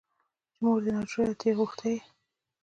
چې مور دې ناجوړه ده ته يې غوښتى يې.